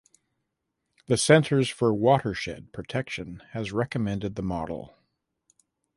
The Center for Watershed Protection has recommended the model.